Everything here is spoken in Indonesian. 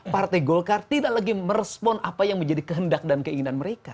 partai golkar tidak lagi merespon apa yang menjadi kehendak dan keinginan mereka